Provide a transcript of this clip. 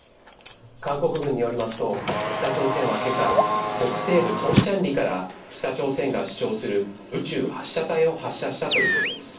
韓国軍によりますと、北朝鮮はけさ、北西部トンチャンリから、北朝鮮が主張する宇宙発射体を発射したということです。